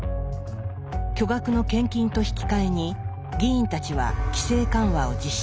巨額の献金と引き換えに議員たちは規制緩和を実施。